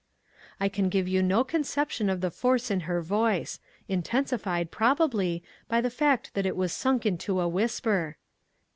I can give you no conception of the force in her voice ; intensified, probably, by the fact that it was sunk to a whisper.